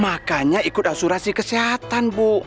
makanya ikut asuransi kesehatan bu